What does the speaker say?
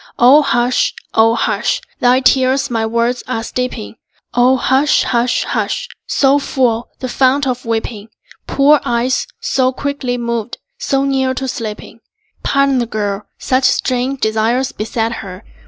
O hush, O hush! Thy tears my words are steeping. O hush, hush, hush! So full, the fount of weeping? Poor eyes, so quickly moved, so near to sleeping? Pardon the girl; such strange desires beset her.